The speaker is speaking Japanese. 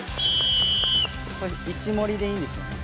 １盛りでいいんですよね。